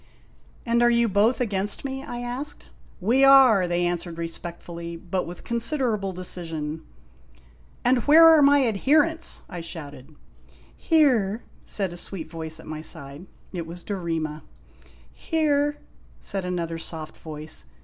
"And are you both against me?' I asked. "We are!" they answered respectfully, but with considerable decision. "And where are my adherents?' I shouted. " Here !" said a sweet voice at my side. It was Dorema. " Here !" said another soft voice.